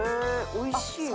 おいしいの？」